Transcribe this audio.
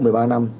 ở mỹ ba năm